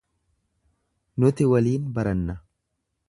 Nuti waliin baranna.